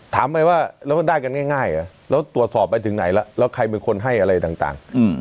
ถามไปว่าแล้วมันได้กันง่ายเหรอแล้วตรวจสอบไปถึงไหนแล้วแล้วใครเป็นคนให้อะไรต่าง